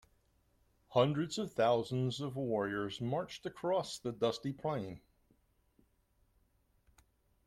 Hundreds of thousands of warriors marched across the dusty plain.